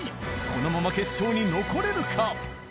このまま決勝に残れるか？